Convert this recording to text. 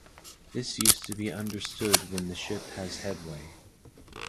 This is to be understood when the ship has headway.